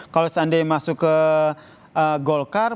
kalau seandainya masuk ke golkar